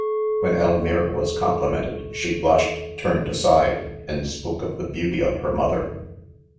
c When Elmire was complimented, she blush ed, turned aside, and spoke of the beauty of her mother.